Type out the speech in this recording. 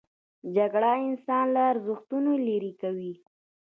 جګړه انسان له ارزښتونو لیرې کوي